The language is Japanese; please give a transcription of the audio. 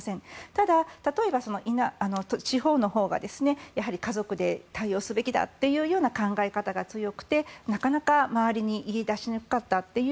ただ、例えば地方のほうが家族で対応すべきだというような考え方が強くてなかなか周りに言い出しにくかったという